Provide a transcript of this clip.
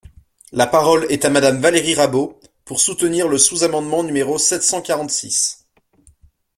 La parole est à Madame Valérie Rabault, pour soutenir le sous-amendement numéro sept cent quarante-six.